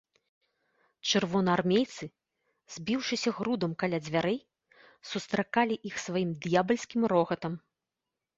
Чырвонаармейцы, збіўшыся грудам каля дзвярэй, сустракалі іх сваім д'ябальскім рогатам.